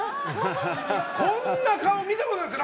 こんな顔、見たことないです